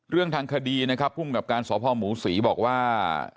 เรื่องทางคดีนะครับภูมิกับการสพหมูศรีบอกว่า